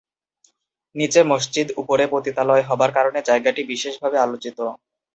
নিচে মসজিদ, উপরে পতিতালয় হবার কারণে জায়গাটি বিশেষভাবে আলোচিত।